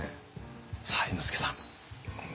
さあ猿之助さん。